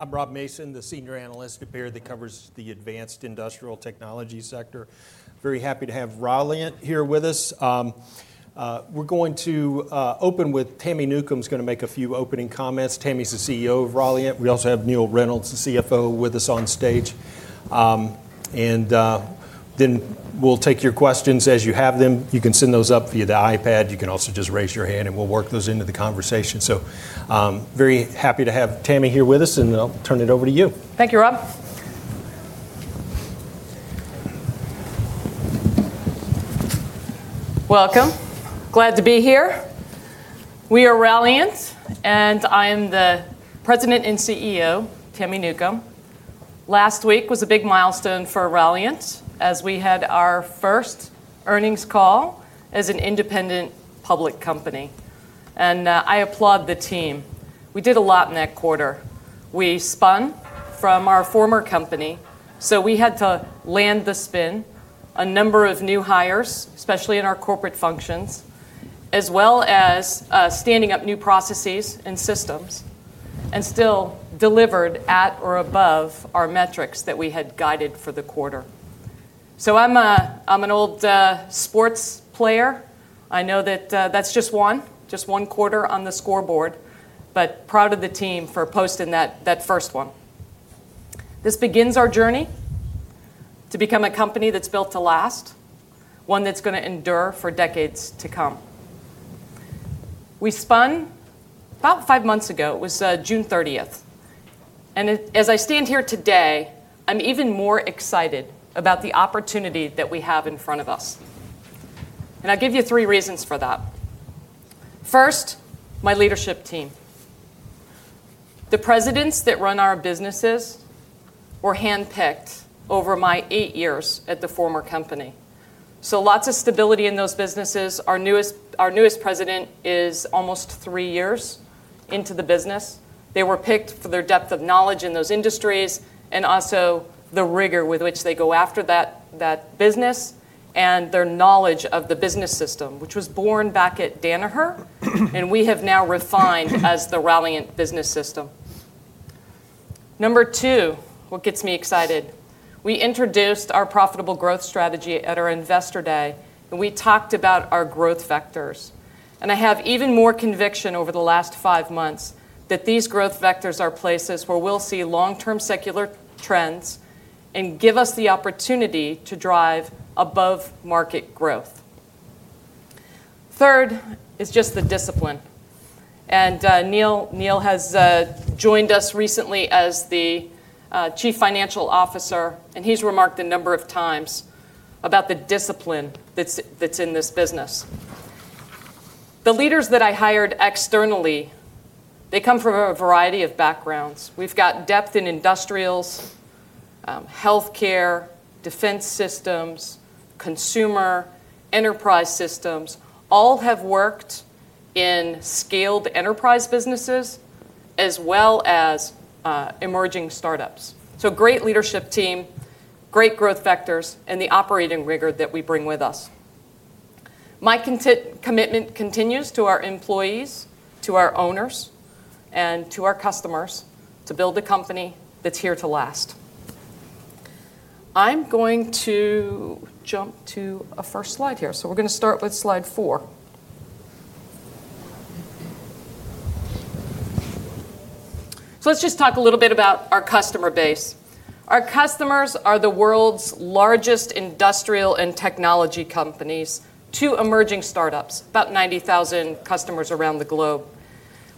I'm Rob Mason, the senior analyst here that covers the advanced industrial technology sector. Very happy to have Ralliant here with us. We're going to open with Tami Newcombe, who's going to make a few opening comments. Tami's the CEO of Ralliant. We also have Neill Reynolds, the CFO, with us on stage. Then we'll take your questions as you have them. You can send those up via the iPad. You can also just raise your hand, and we'll work those into the conversation. Very happy to have Tami here with us, and I'll turn it over to you. Thank you, Rob. Welcome. Glad to be here. We are Ralliant, and I am the President and CEO, Tami Newcombe. Last week was a big milestone for Ralliant as we had our first earnings call as an independent public company. I applaud the team. We did a lot in that quarter. We spun from our former company, so we had to land the spin, a number of new hires, especially in our corporate functions, as well as standing up new processes and systems, and still delivered at or above our metrics that we had guided for the quarter. I'm an old sports player. I know that that's just one, just one quarter on the scoreboard, but proud of the team for posting that first one. This begins our journey to become a company that's built to last, one that's going to endure for decades to come. We spun about five months ago. It was June 30th. As I stand here today, I'm even more excited about the opportunity that we have in front of us. I'll give you three reasons for that. First, my leadership team. The presidents that run our businesses were handpicked over my eight years at the former company. Lots of stability in those businesses. Our newest president is almost three years into the business. They were picked for their depth of knowledge in those industries and also the rigor with which they go after that business and their knowledge of the business system, which was born back at Danaher, and we have now refined as the Ralliant Business System. Number two, what gets me excited, we introduced our profitable growth strategy at our investor day, and we talked about our growth vectors. I have even more conviction over the last five months that these growth vectors are places where we'll see long-term secular trends and give us the opportunity to drive above-market growth. Third is just the discipline. Neil has joined us recently as the Chief Financial Officer, and he's remarked a number of times about the discipline that's in this business. The leaders that I hired externally, they come from a variety of backgrounds. We've got depth in industrials, health care, defense systems, consumer, enterprise systems, all have worked in scaled enterprise businesses as well as emerging startups. Great leadership team, great growth vectors, and the operating rigor that we bring with us. My commitment continues to our employees, to our owners, and to our customers to build a company that's here to last. I'm going to jump to a first slide here. We're going to start with slide four. Let's just talk a little bit about our customer base. Our customers are the world's largest industrial and technology companies, two emerging startups, about 90,000 customers around the globe.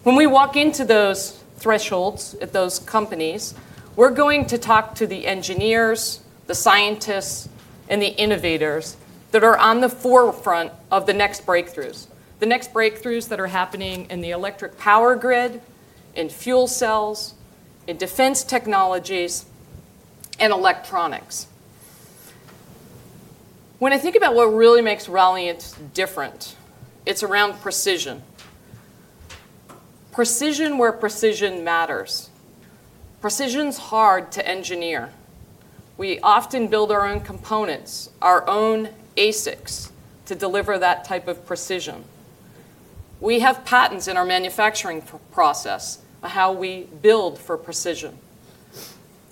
When we walk into those thresholds at those companies, we're going to talk to the engineers, the scientists, and the innovators that are on the forefront of the next breakthroughs, the next breakthroughs that are happening in the electric power grid, in fuel cells, in defense technologies, and electronics. When I think about what really makes Ralliant different, it's around precision. Precision where precision matters. Precision's hard to engineer. We often build our own components, our own ASICs, to deliver that type of precision. We have patents in our manufacturing process on how we build for precision.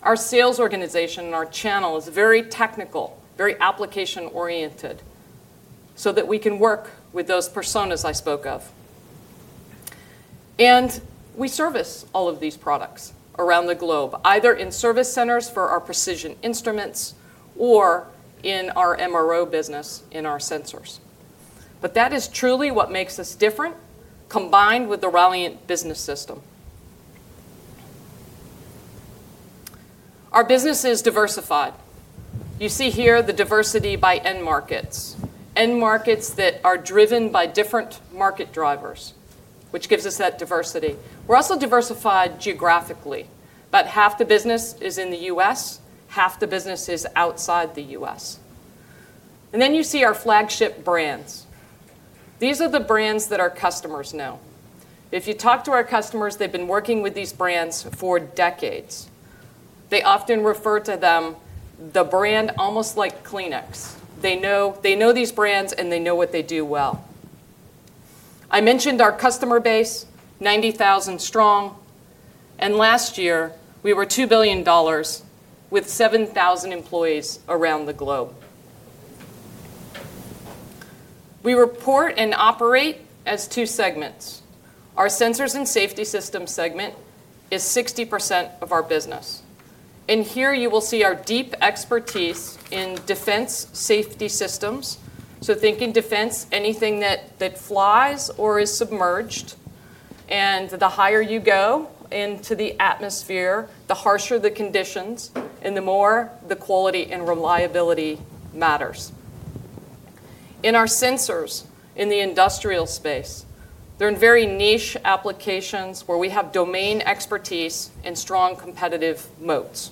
Our sales organization and our channel is very technical, very application-oriented, so that we can work with those personas I spoke of. We service all of these products around the globe, either in service centers for our precision instruments or in our MRO business in our sensors. That is truly what makes us different, combined with the Ralliant Business System. Our business is diversified. You see here the diversity by end markets, end markets that are driven by different market drivers, which gives us that diversity. We're also diversified geographically. About half the business is in the U.S., half the business is outside the U.S. You see our flagship brands. These are the brands that our customers know. If you talk to our customers, they've been working with these brands for decades. They often refer to them as the brand almost like Kleenex. They know these brands, and they know what they do well. I mentioned our customer base, 90,000 strong. Last year, we were $2 billion with 7,000 employees around the globe. We report and operate as two segments. Our sensors and safety systems segment is 60% of our business. Here you will see our deep expertise in defense safety systems. Thinking defense, anything that flies or is submerged. The higher you go into the atmosphere, the harsher the conditions, and the more the quality and reliability matters. In our sensors in the industrial space, they're in very niche applications where we have domain expertise and strong competitive moats.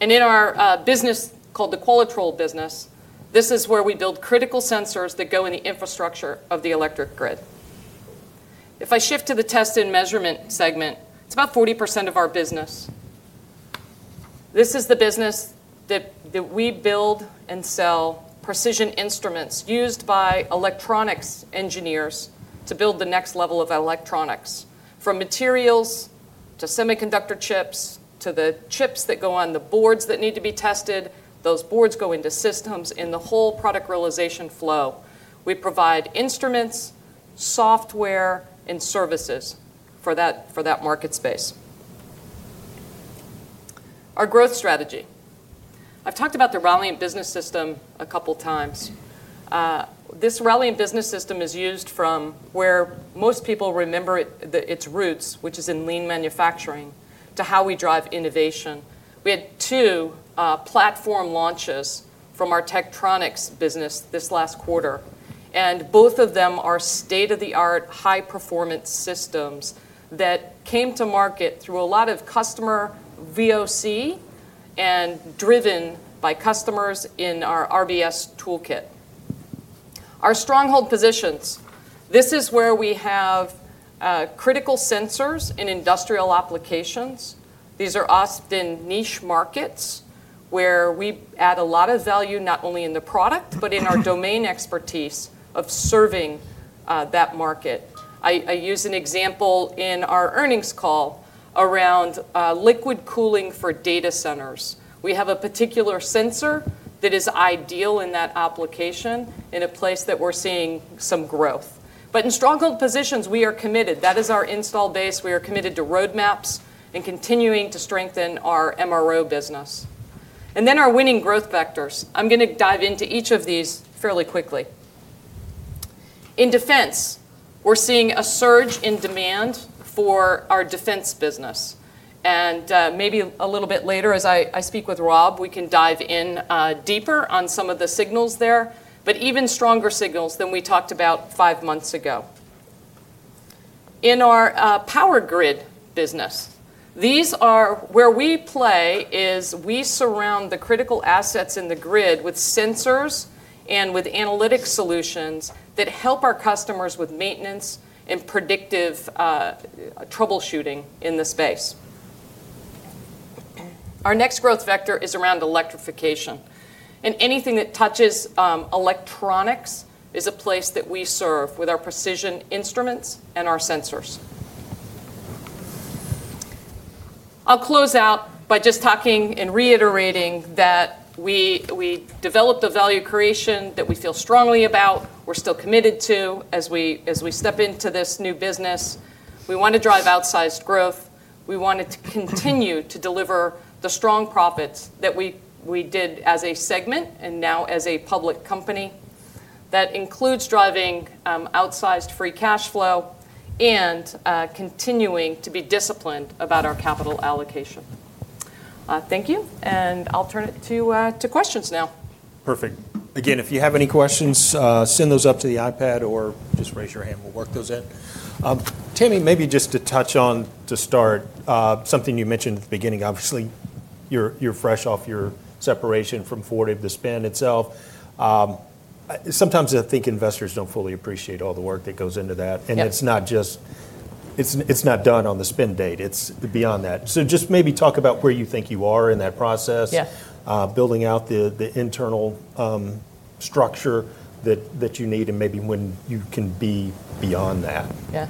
In our business called the Qualitrol business, this is where we build critical sensors that go in the infrastructure of the electric grid. If I shift to the test and measurement segment, it's about 40% of our business. This is the business that we build and sell precision instruments used by electronics engineers to build the next level of electronics, from materials to semiconductor chips to the chips that go on the boards that need to be tested. Those boards go into systems in the whole product realization flow. We provide instruments, software, and services for that market space. Our growth strategy. I've talked about the Ralliant Business System a couple of times. This Ralliant Business System is used from where most people remember its roots, which is in lean manufacturing, to how we drive innovation. We had two platform launches from our Tektronix business this last quarter. Both of them are state-of-the-art, high-performance systems that came to market through a lot of customer VOC and driven by customers in our RVS toolkit. Our stronghold positions. This is where we have critical sensors in industrial applications. These are often niche markets where we add a lot of value, not only in the product, but in our domain expertise of serving that market. I use an example in our earnings call around liquid cooling for data centers. We have a particular sensor that is ideal in that application in a place that we're seeing some growth. In stronghold positions, we are committed. That is our install base. We are committed to roadmaps and continuing to strengthen our MRO business. Our winning growth vectors, I'm going to dive into each of these fairly quickly. In defense, we're seeing a surge in demand for our defense business. Maybe a little bit later, as I speak with Rob, we can dive in deeper on some of the signals there, even stronger signals than we talked about five months ago. In our power grid business, where we play is we surround the critical assets in the grid with sensors and with analytic solutions that help our customers with maintenance and predictive troubleshooting in the space. Our next growth vector is around electrification. Anything that touches electronics is a place that we serve with our precision instruments and our sensors. I'll close out by just talking and reiterating that we developed a value creation that we feel strongly about, we're still committed to as we step into this new business. We want to drive outsized growth. We wanted to continue to deliver the strong profits that we did as a segment and now as a public company. That includes driving outsized free cash flow and continuing to be disciplined about our capital allocation. Thank you. I'll turn it to questions now. Perfect. Again, if you have any questions, send those up to the iPad or just raise your hand. We'll work those in. Tami, maybe just to touch on to start, something you mentioned at the beginning, obviously, you're fresh off your separation from Fortive of the spin itself. Sometimes I think investors don't fully appreciate all the work that goes into that. It's not just it's not done on the spin date. It's beyond that. Just maybe talk about where you think you are in that process, building out the internal structure that you need and maybe when you can be beyond that. Yeah.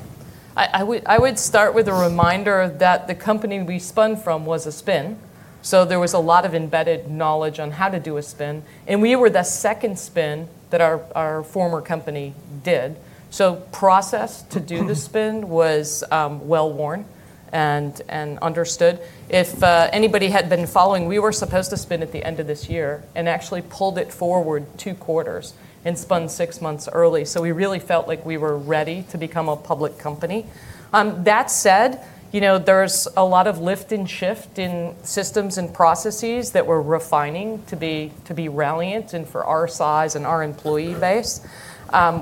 I would start with a reminder that the company we spun from was a spin. So there was a lot of embedded knowledge on how to do a spin. And we were the second spin that our former company did. So process to do the spin was well-worn and understood. If anybody had been following, we were supposed to spin at the end of this year and actually pulled it forward two quarters and spun six months early. So we really felt like we were ready to become a public company. That said, there's a lot of lift and shift in systems and processes that we're refining to be Ralliant and for our size and our employee base.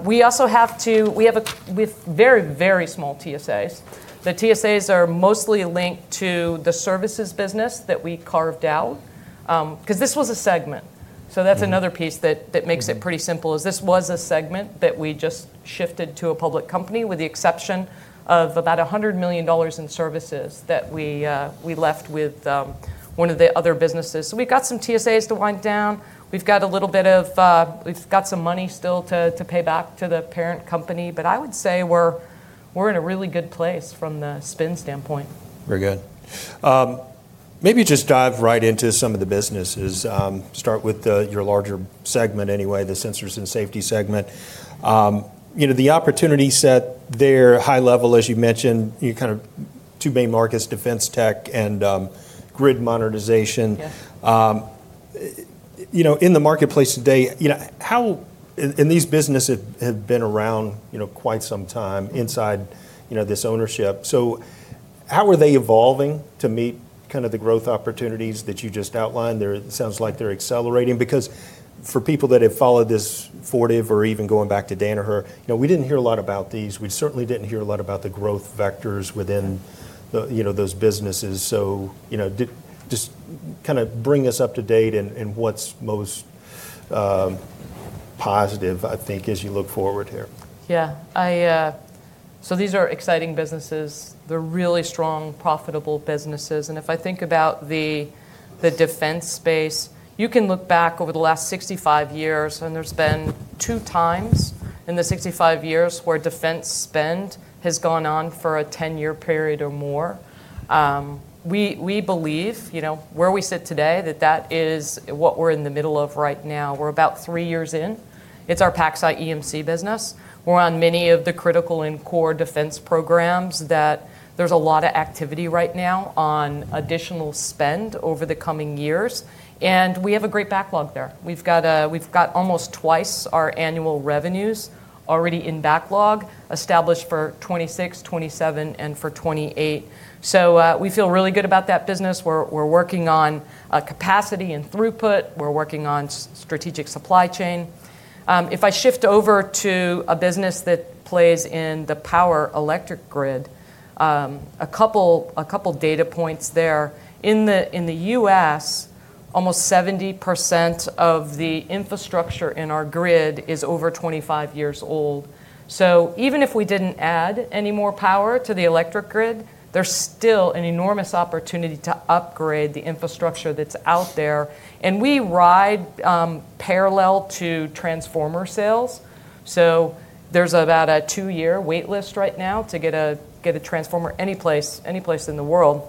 We also have to, we have very, very small TSAs. The TSAs are mostly linked to the services business that we carved out. Because this was a segment. That's another piece that makes it pretty simple is this was a segment that we just shifted to a public company with the exception of about $100 million in services that we left with one of the other businesses. We've got some TSAs to wind down. We've got a little bit of we've got some money still to pay back to the parent company. I would say we're in a really good place from the spin standpoint. Very good. Maybe just dive right into some of the businesses. Start with your larger segment anyway, the sensors and safety segment. The opportunity set there, high level, as you mentioned, kind of two main markets, defense tech and grid modernization. In the marketplace today, how are these businesses have been around quite some time inside this ownership. So how are they evolving to meet kind of the growth opportunities that you just outlined? It sounds like they're accelerating. Because for people that have followed this forward or even going back to Danaher, we didn't hear a lot about these. We certainly didn't hear a lot about the growth vectors within those businesses. Just kind of bring us up to date and what's most positive, I think, as you look forward here. Yeah. These are exciting businesses. They're really strong, profitable businesses. If I think about the defense space, you can look back over the last 65 years, and there's been 2x in the 65 years where defense spend has gone on for a 10-year period or more. We believe where we sit today, that that is what we're in the middle of right now. We're about three years in. It's our PacSci EMC business. We're on many of the critical and core defense programs that there's a lot of activity right now on additional spend over the coming years. We have a great backlog there. We've got almost twice our annual revenues already in backlog, established for 2026, 2027, and for 2028. We feel really good about that business. We're working on capacity and throughput. We're working on strategic supply chain. If I shift over to a business that plays in the power electric grid, a couple of data points there. In the U.S., almost 70% of the infrastructure in our grid is over 25 years old. Even if we did not add any more power to the electric grid, there is still an enormous opportunity to upgrade the infrastructure that is out there. We ride parallel to transformer sales. There is about a two-year waitlist right now to get a transformer any place in the world.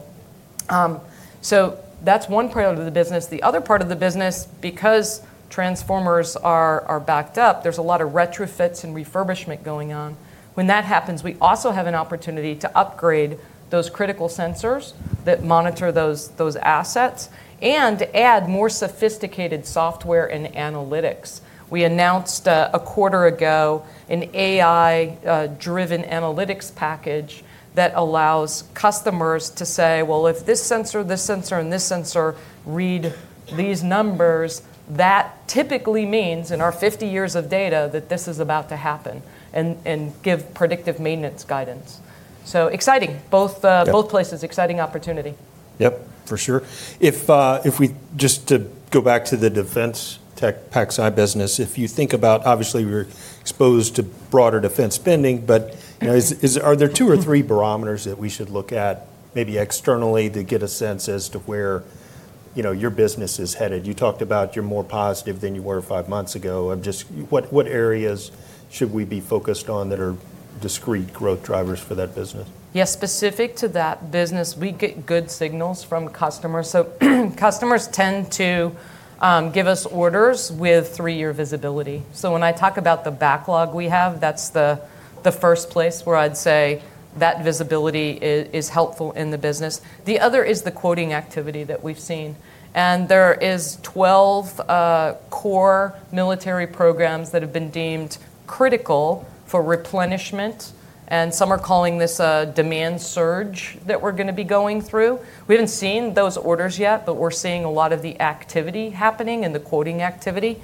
That is one part of the business. The other part of the business, because transformers are backed up, there is a lot of retrofits and refurbishment going on. When that happens, we also have an opportunity to upgrade those critical sensors that monitor those assets and add more sophisticated software and analytics. We announced a quarter ago an AI-driven analytics package that allows customers to say, well, if this sensor, this sensor, and this sensor read these numbers, that typically means in our 50 years of data that this is about to happen and give predictive maintenance guidance. Exciting, both places, exciting opportunity. Yep, for sure. If we just go back to the defense tech PacSci EMC business, if you think about, obviously, we're exposed to broader defense spending, but are there two or three barometers that we should look at maybe externally to get a sense as to where your business is headed? You talked about you're more positive than you were five months ago. Just what areas should we be focused on that are discrete growth drivers for that business? Yeah. Specific to that business, we get good signals from customers. So customers tend to give us orders with three-year visibility. When I talk about the backlog we have, that's the first place where I'd say that visibility is helpful in the business. The other is the quoting activity that we've seen. There are 12 core military programs that have been deemed critical for replenishment. Some are calling this a demand surge that we're going to be going through. We haven't seen those orders yet, but we're seeing a lot of the activity happening and the quoting activity.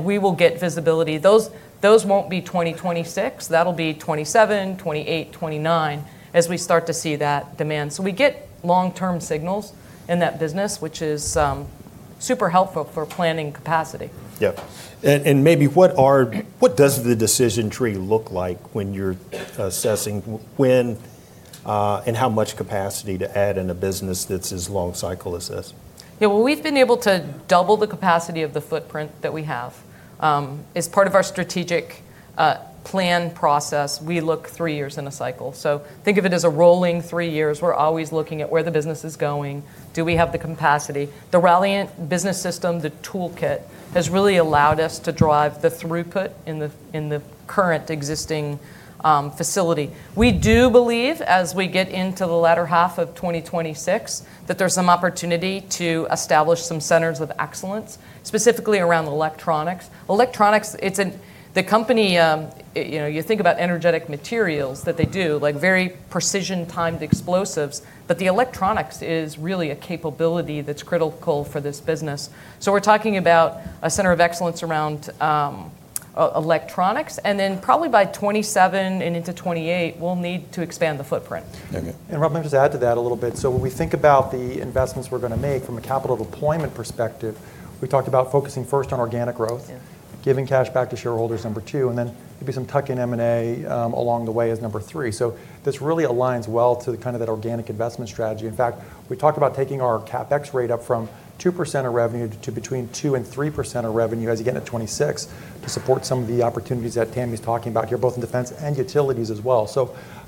We will get visibility. Those won't be 2026. That'll be 2027, 2028, 2029 as we start to see that demand. We get long-term signals in that business, which is super helpful for planning capacity. Yep. Maybe what does the decision tree look like when you're assessing when and how much capacity to add in a business that's as long cycle as this? Yeah. We've been able to double the capacity of the footprint that we have. As part of our strategic plan process, we look three years in a cycle. Think of it as a rolling three years. We're always looking at where the business is going. Do we have the capacity? The Ralliant Business System, the toolkit, has really allowed us to drive the throughput in the current existing facility. We do believe, as we get into the latter half of 2026, that there's some opportunity to establish some centers of excellence, specifically around electronics. Electronics, the company, you think about energetic materials that they do, like very precision-timed explosives. The electronics is really a capability that's critical for this business. We're talking about a center of excellence around electronics. Probably by 2027 and into 2028, we'll need to expand the footprint. Rob, maybe just add to that a little bit. When we think about the investments we're going to make from a capital deployment perspective, we talked about focusing first on organic growth, giving cash back to shareholders number two, and then maybe some tuck-in M&A along the way as number three. This really aligns well to kind of that organic investment strategy. In fact, we talked about taking our CapEx rate up from 2% of revenue to between 2%-3% of revenue as you get into 2026 to support some of the opportunities that Tami's talking about here, both in defense and utilities as well.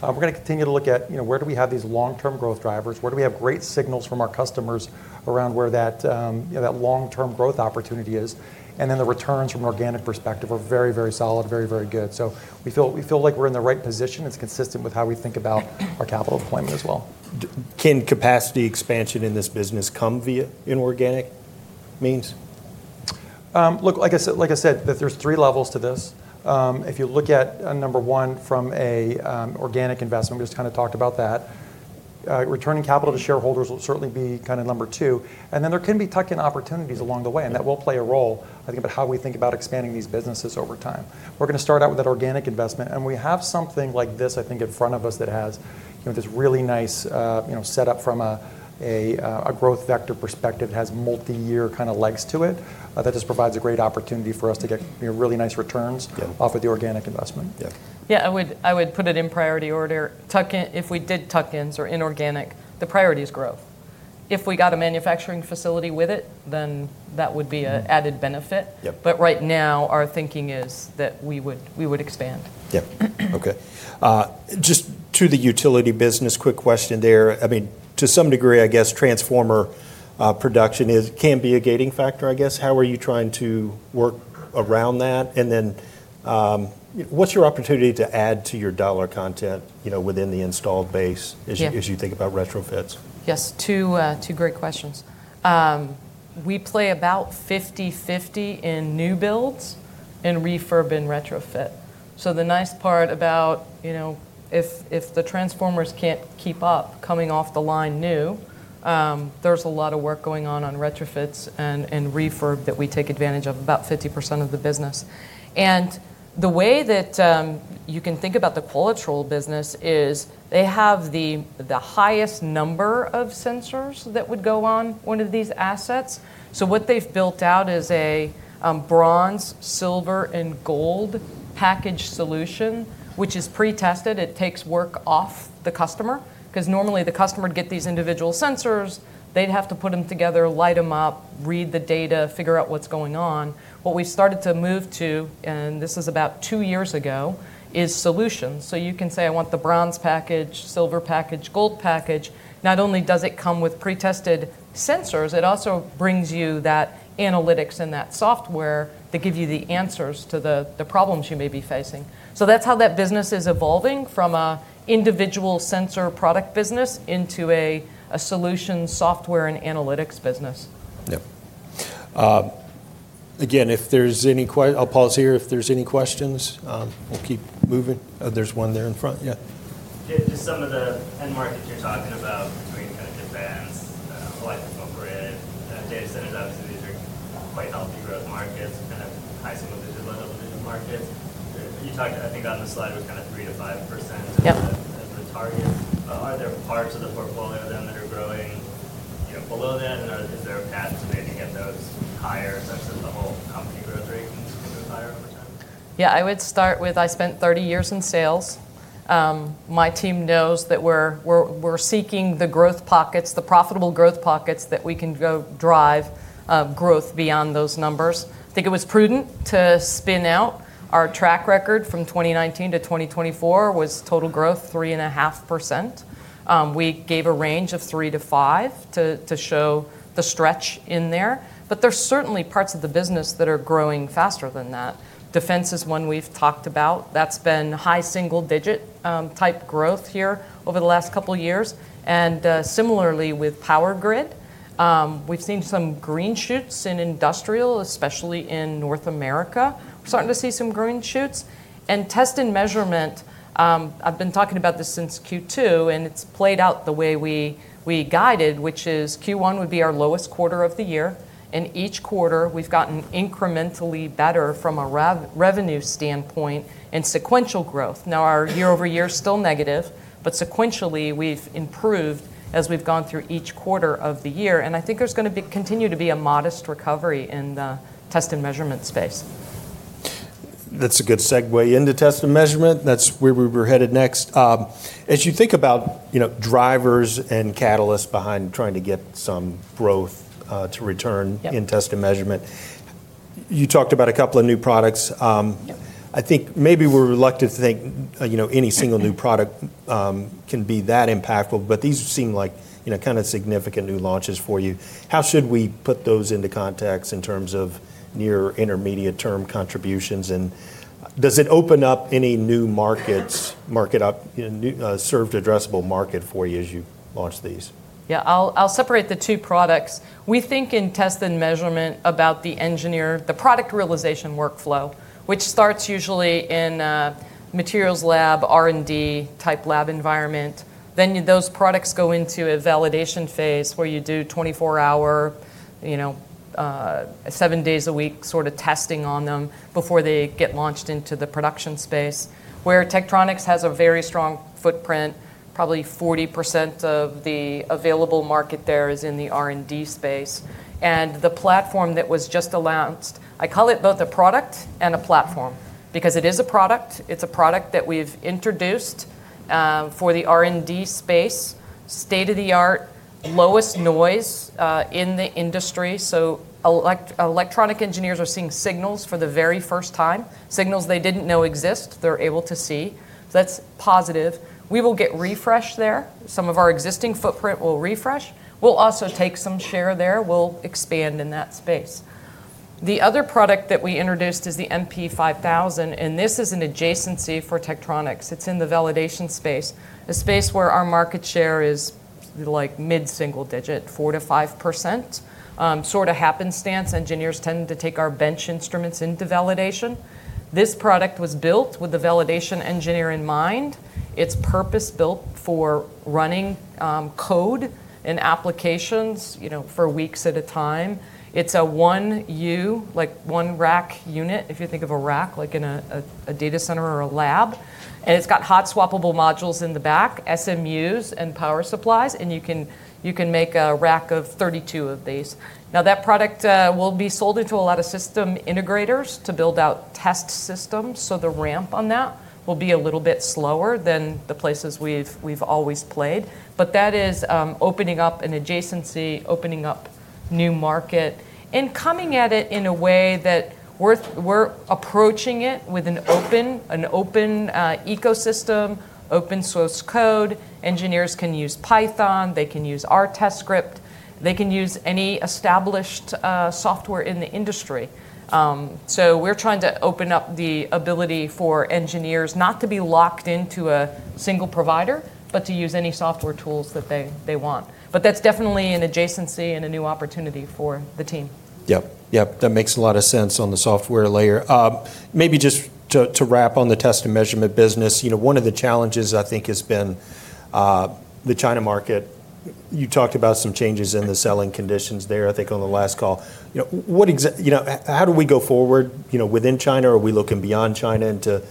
We're going to continue to look at where do we have these long-term growth drivers? Where do we have great signals from our customers around where that long-term growth opportunity is? The returns from an organic perspective are very, very solid, very, very good. We feel like we're in the right position. It's consistent with how we think about our capital deployment as well. Can capacity expansion in this business come via inorganic means? Look, like I said, there are three levels to this. If you look at number one from an organic investment, we just kind of talked about that. Returning capital to shareholders will certainly be kind of number two. There can be tuck-in opportunities along the way. That will play a role, I think, in how we think about expanding these businesses over time. We are going to start out with that organic investment. We have something like this, I think, in front of us that has this really nice setup from a growth vector perspective. It has multi-year kind of legs to it. That just provides a great opportunity for us to get really nice returns off of the organic investment. Yeah. Yeah, I would put it in priority order. If we did tuck-ins or inorganic, the priority is growth. If we got a manufacturing facility with it, then that would be an added benefit. Right now, our thinking is that we would expand. Yep. Okay. Just to the utility business, quick question there. I mean, to some degree, I guess transformer production can be a gating factor, I guess. How are you trying to work around that? I mean, what's your opportunity to add to your dollar content within the installed base as you think about retrofits? Yes. Two great questions. We play about 50/50 in new builds and refurb and retrofit. The nice part about if the transformers can't keep up coming off the line new, there's a lot of work going on on retrofits and refurb that we take advantage of, about 50% of the business. The way that you can think about the Qualitrol business is they have the highest number of sensors that would go on one of these assets. What they've built out is a bronze, silver, and gold package solution, which is pre-tested. It takes work off the customer. Because normally, the customer would get these individual sensors. They'd have to put them together, light them up, read the data, figure out what's going on. What we've started to move to, and this is about two years ago, is solutions. You can say, I want the bronze package, silver package, gold package. Not only does it come with pre-tested sensors, it also brings you that analytics and that software that give you the answers to the problems you may be facing. That's how that business is evolving from an individual sensor product business into a solution software and analytics business. Yep. Again, if there's any questions, I'll pause here. If there's any questions, we'll keep moving. There's one there in front. Yeah. Just some of the end markets you're talking about between kind of defense, electrical grid, data centers, obviously, these are quite healthy growth markets, kind of high single-digit level digital markets. You talked, I think, on the slide with kind of 3%-5% as the targets. Are there parts of the portfolio then that are growing below that? And is there a path to maybe get those higher such that the whole company growth rate can move higher over time? Yeah. I would start with I spent 30 years in sales. My team knows that we're seeking the growth pockets, the profitable growth pockets that we can go drive growth beyond those numbers. I think it was prudent to spin out. Our track record from 2019 to 2024 was total growth 3.5%. We gave a range of 3%-5% to show the stretch in there. There's certainly parts of the business that are growing faster than that. Defense is one we've talked about. That's been high single-digit type growth here over the last couple of years. Similarly with power grid, we've seen some green shoots in industrial, especially in North America. We're starting to see some green shoots. Test and measurement, I've been talking about this since Q2, and it's played out the way we guided, which is Q1 would be our lowest quarter of the year. Each quarter, we've gotten incrementally better from a revenue standpoint and sequential growth. Our year-over-year is still negative, but sequentially, we've improved as we've gone through each quarter of the year. I think there's going to continue to be a modest recovery in the test and measurement space. That's a good segue into test and measurement. That's where we were headed next. As you think about drivers and catalysts behind trying to get some growth to return in test and measurement, you talked about a couple of new products. I think maybe we're reluctant to think any single new product can be that impactful, but these seem like kind of significant new launches for you. How should we put those into context in terms of near-intermediate-term contributions? Does it open up any new markets, market up, served addressable market for you as you launch these? Yeah. I'll separate the two products. We think in test and measurement about the engineer, the product realization workflow, which starts usually in materials lab, R&D type lab environment. Then those products go into a validation phase where you do 24-hour, seven days a week sort of testing on them before they get launched into the production space, where Tektronix has a very strong footprint. Probably 40% of the available market there is in the R&D space. The platform that was just announced, I call it both a product and a platform because it is a product. It's a product that we've introduced for the R&D space, state-of-the-art, lowest noise in the industry. Electronic engineers are seeing signals for the very first time, signals they did not know exist, they're able to see. That's positive. We will get refreshed there. Some of our existing footprint will refresh. We'll also take some share there. We'll expand in that space. The other product that we introduced is the MP5000. And this is an adjacency for Tektronix. It's in the validation space, a space where our market share is like mid-single digit, 4%-5%. Sort of happenstance. Engineers tend to take our bench instruments into validation. This product was built with the validation engineer in mind. It's purpose-built for running code and applications for weeks at a time. It's a one U, like one rack unit, if you think of a rack like in a data center or a lab. It's got hot swappable modules in the back, SMUs and power supplies. You can make a rack of 32 of these. Now, that product will be sold into a lot of system integrators to build out test systems. The ramp on that will be a little bit slower than the places we've always played. That is opening up an adjacency, opening up a new market, and coming at it in a way that we're approaching it with an open ecosystem, open source code. Engineers can use Python. They can use our test script. They can use any established software in the industry. We're trying to open up the ability for engineers not to be locked into a single provider, but to use any software tools that they want. That's definitely an adjacency and a new opportunity for the team. Yep. Yep. That makes a lot of sense on the software layer. Maybe just to wrap on the test and measurement business, one of the challenges I think has been the China market. You talked about some changes in the selling conditions there, I think, on the last call. How do we go forward within China? Are we looking beyond China into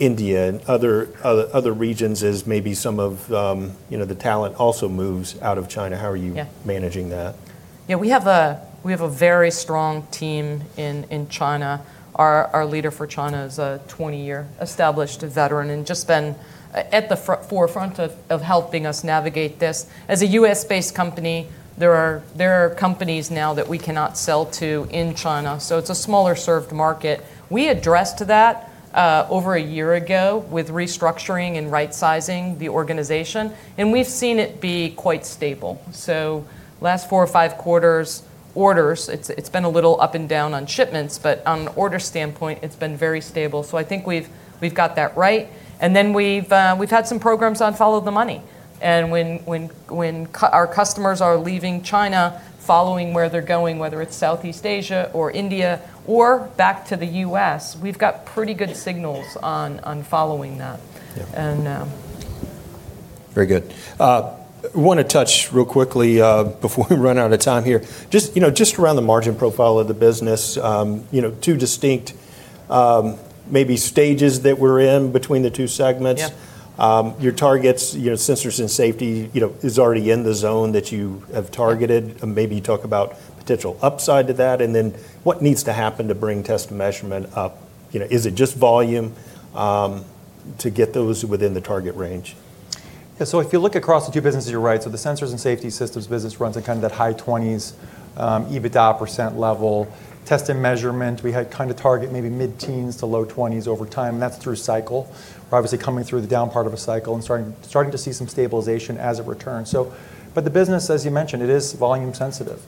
India and other regions as maybe some of the talent also moves out of China? How are you managing that? Yeah. We have a very strong team in China. Our leader for China is a 20-year established veteran and just been at the forefront of helping us navigate this. As a U.S.-based company, there are companies now that we cannot sell to in China. It is a smaller served market. We addressed that over a year ago with restructuring and right-sizing the organization. We have seen it be quite stable. Last four or five quarters, orders, it has been a little up and down on shipments. On an order standpoint, it has been very stable. I think we have got that right. We have had some programs on follow the money. When our customers are leaving China following where they are going, whether it is Southeast Asia or India or back to the U.S., we have got pretty good signals on following that. Very good. I want to touch real quickly before we run out of time here. Just around the margin profile of the business, two distinct maybe stages that we're in between the two segments. Your targets, sensors and safety is already in the zone that you have targeted. Maybe you talk about potential upside to that. And then what needs to happen to bring test and measurement up? Is it just volume to get those within the target range? Yeah. So if you look across the two businesses, you're right. So the sensors and safety systems business runs in kind of that high 20s, EBITDA % level. Test and measurement, we had kind of target maybe mid-teens to low 20s over time. That is through cycle. We're obviously coming through the down part of a cycle and starting to see some stabilization as it returns. The business, as you mentioned, it is volume sensitive.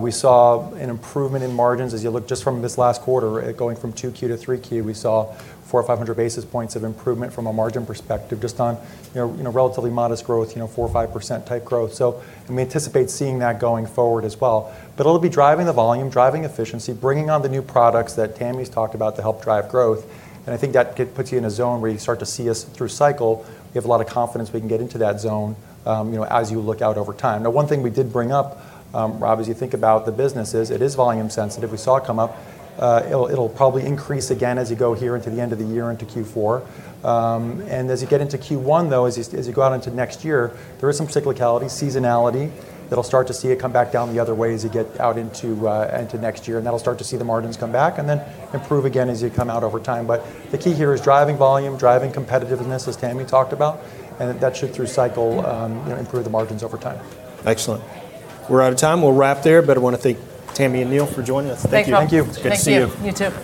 We saw an improvement in margins as you look just from this last quarter, going from 2Q to 3Q. We saw 400-500 basis points of improvement from a margin perspective just on relatively modest growth, 4%-5% type growth. We anticipate seeing that going forward as well. It will be driving the volume, driving efficiency, bringing on the new products that Tami's talked about to help drive growth. I think that puts you in a zone where you start to see us through cycle. We have a lot of confidence we can get into that zone as you look out over time. One thing we did bring up, Rob, as you think about the businesses, it is volume sensitive. We saw it come up. It'll probably increase again as you go here into the end of the year into Q4. As you get into Q1, though, as you go out into next year, there is some cyclicality, seasonality that'll start to see it come back down the other way as you get out into next year. That'll start to see the margins come back and then improve again as you come out over time. The key here is driving volume, driving competitiveness, as Tami talked about. That should, through cycle, improve the margins over time. Excellent. We're out of time. We'll wrap there. But I want to thank Tami and Neil for joining us. Thank you. Thank you. It's good to see you. Thank you.